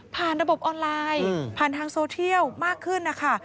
ผ่านระบบออนไลน์ผ่านทางโซเทียลมากขึ้น